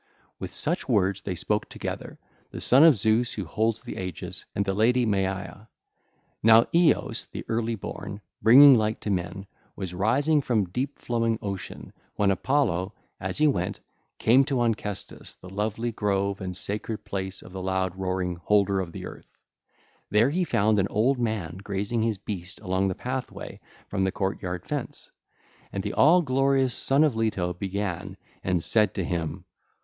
182 189) With such words they spoke together, the son of Zeus who holds the aegis, and the lady Maia. Now Eros the early born was rising from deep flowing Ocean, bringing light to men, when Apollo, as he went, came to Onchestus, the lovely grove and sacred place of the loud roaring Holder of the Earth. There he found an old man grazing his beast along the pathway from his court yard fence, and the all glorious Son of Leto began and said to him.